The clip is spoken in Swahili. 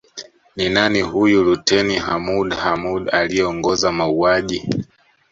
Ni nani huyu Luteni Hamoud Hamoud aliyeongoza mauaji